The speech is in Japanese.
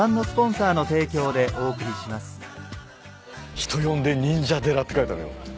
「人呼んで忍者寺」って書いてあるよ。